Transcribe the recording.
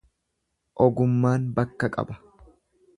Ogummaan bakka qaba.